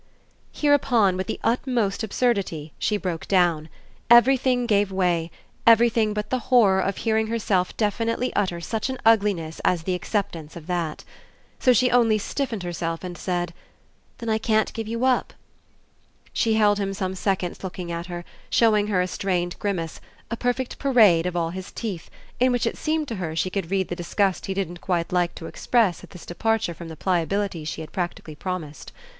Hereupon, with the utmost absurdity, she broke down; everything gave way, everything but the horror of hearing herself definitely utter such an ugliness as the acceptance of that. So she only stiffened herself and said: "Then I can't give you up." She held him some seconds looking at her, showing her a strained grimace, a perfect parade of all his teeth, in which it seemed to her she could read the disgust he didn't quite like to express at this departure from the pliability she had practically promised.